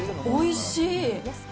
おいしい。